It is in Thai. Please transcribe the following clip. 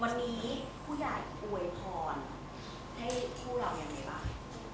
วันนี้ผู้ใหญ่อวยพรให้พวกเรายังไงบ้าง